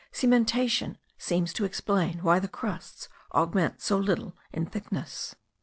Cementation seems to explain why the crusts augment so little in thickness.